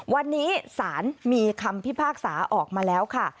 วันนี้สารมีคำพิพากษาออกมาแล้วค่ะ